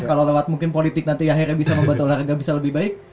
kalau lewat mungkin politik nanti akhirnya bisa membuat olahraga bisa lebih baik